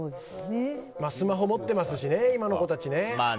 スマホ持っていますしね今の子たち。